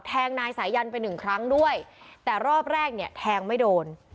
แทงนายสายันไปหนึ่งครั้งด้วยแต่รอบแรกเนี่ยแทงไม่โดน